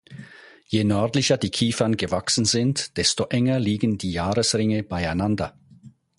Je nördlicher die Kiefern gewachsen sind desto enger liegen die Jahresringe beieinander.